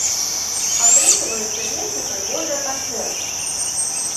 Атрымліваюцца вельмі прыгожыя канцэрты.